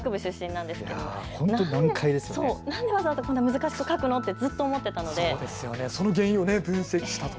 なんでわざわざこんな難しく書くのとずっと思っていたので。